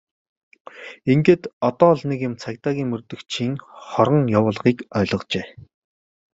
Ингээд одоо л нэг юм цагдаагийн мөрдөгчийн хорон явуулгыг ойлгожээ!